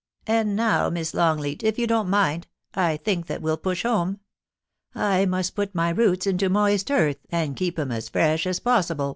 * And now. Miss Longleat, if you don't mind, I think that we'll push home. I must put my roots into moist earth, and keep 'em as fresh as possible.'